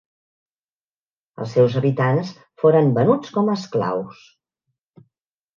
Els seus habitants foren venuts com a esclaus.